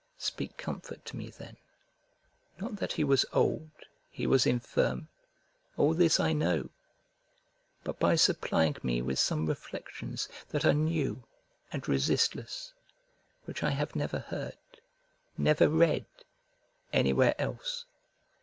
Speak comfort to me then, not that he was old, he was infirm; all this I know: but by supplying me with some reflections that are new and resistless, which I have never heard, never read, anywhere else.